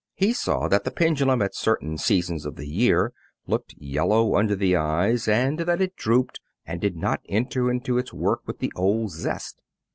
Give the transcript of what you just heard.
He saw that the pendulum at certain seasons of the year looked yellow under the eyes, and that it drooped and did not enter into its work with the old zest.